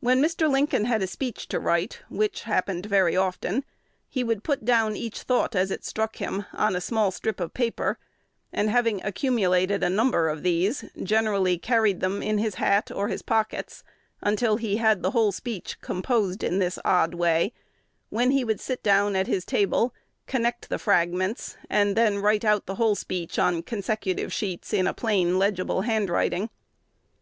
When Mr. Lincoln had a speech to write, which happened very often, he would put down each thought, as it struck him, on a small strip of paper, and, having accumulated a number of these, generally carried them in his hat or his pockets until he had the whole speech composed in this odd way, when he would sit down at his table, connect the fragments, and then write out the whole speech on consecutive sheets in a plain, legible handwriting.